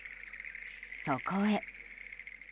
そこへ。